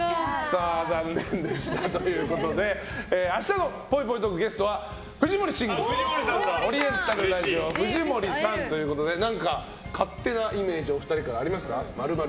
残念でしたということで明日のぽいぽいトークゲストはオリエンタルラジオ藤森さんということで何か、勝手なイメージお二人からありますか？